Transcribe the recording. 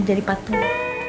rinjan di patung